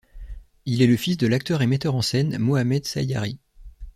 Il est le fils de l'acteur et metteur en scène Mohamed Sayari.